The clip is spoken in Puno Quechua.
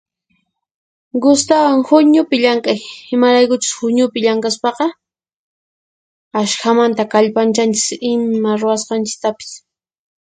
Gustawan huñupi llank'ay imaraykuchus huñupi llank'aspaqa ashkhamanta kallpachanchis ima ruwasqanchistapis.